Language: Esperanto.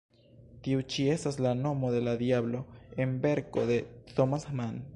Tiu ĉi estas la nomo de la diablo en verko de Thomas Mann.